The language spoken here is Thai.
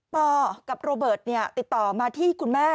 กับโรเบิร์ตติดต่อมาที่คุณแม่